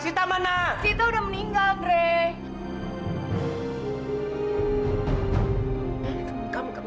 sita sudah meninggal andre